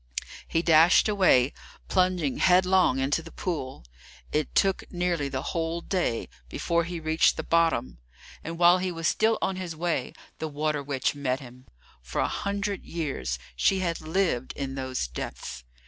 He dashed away, plunging headlong into the pool. It took nearly the whole day before he reached the bottom, and while he was still on his way the water witch met him. For a hundred years she had lived in those depths.